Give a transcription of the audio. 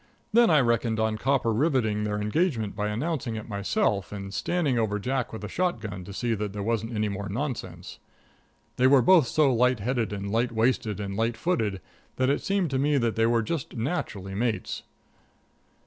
Then I reckoned on copper riveting their engagement by announcing it myself and standing over Jack with a shotgun to see that there wasn't any more nonsense. They were both so light headed and light waisted and light footed that it seemed to me that they were just naturally mates.